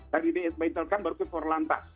dari ba intelcam baru ke korlantas